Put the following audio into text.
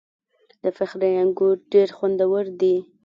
د فخری انګور ډیر خوندور دي.